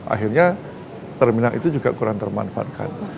akhirnya terminal itu juga kurang termanfaat kan